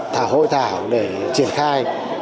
thảo hội thảo để triển khai